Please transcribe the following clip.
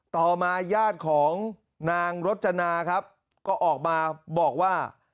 ต่อมาญาติของนางรจนาครับก็ออกมาบอกว่า